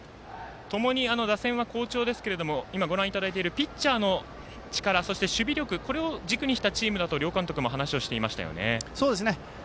ともに打線は好調ですけれどもピッチャーの力、守備力これを軸にしたチームだと両監督も話をしていましたよね。